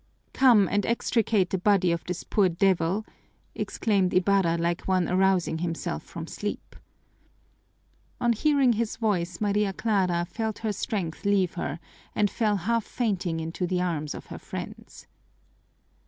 "Come and extricate the body of this poor devil!" exclaimed Ibarra like one arousing himself from sleep. On hearing his voice Maria Clara felt her strength leave her and fell half fainting into the arms of her friends.